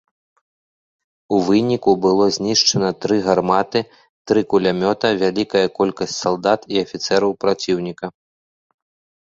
У выніку было знішчана тры гарматы, тры кулямёта, вялікая колькасць салдат і афіцэраў праціўніка.